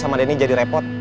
sama denny jadi repot